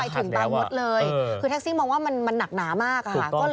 แท็กซี่มองว่ามันหนักหนามาก